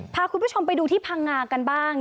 พาคุณผู้ชมไปดูที่พังงากันบ้าง